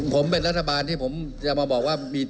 ผมเป็นรัฐบาลที่ผมจะมาบอกว่า